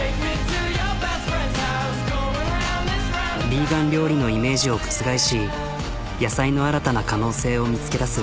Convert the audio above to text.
ヴィーガン料理のイメージを覆し野菜の新たな可能性を見つけ出す。